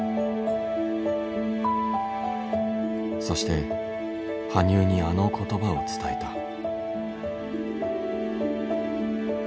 そして羽生にあの言葉を伝えた。